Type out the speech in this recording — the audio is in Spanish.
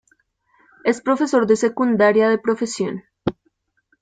Es profesor de secundaria de profesión.